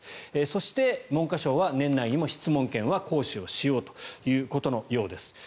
そして、文科省は年内にも質問権は行使しようということです。